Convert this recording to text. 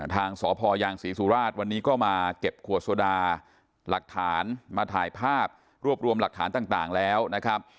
ทางสพยางศรีสุราชวันนี้ก็มาเก็บขวดโซดาหลักฐานมาถ่ายภาพรวบรวมหลักฐานต่างแล้วนะครับ